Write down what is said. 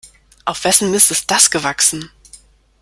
Auf wessen Mist ist das gewachsen?